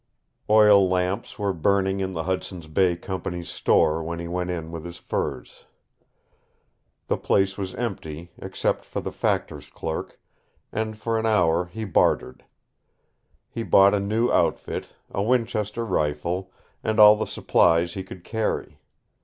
Oil lamps were burning in the Hudson's Bay Company's store when he went in with his furs. The place was empty, except for the factor's clerk, and for an hour he bartered. He bought a new outfit, a Winchester rifle, and all the supplies he could carry.